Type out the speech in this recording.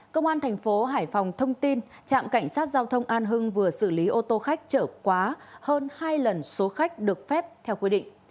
công an thành phố hải phòng thông tin trạm cảnh sát giao thông an hưng vừa xử lý ô tô khách chở quá hơn hai lần số khách được phép theo quy định